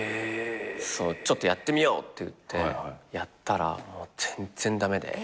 ちょっとやってみようっていってやったら全然駄目で。